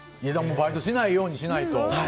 バイトしないようにしないと。